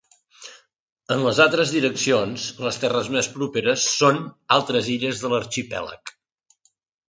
En les altres direccions, les terres més properes són altres illes de l'arxipèlag.